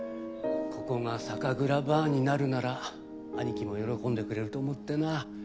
ここが酒蔵ＢＡＲになるなら兄貴も喜んでくれると思ってな。